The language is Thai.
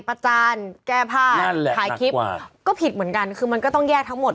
ประจานแก้ผ้าถ่ายคลิปก็ผิดเหมือนกันคือมันก็ต้องแยกทั้งหมด